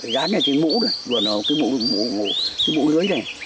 dán lên cái mũ cái mũ lưới này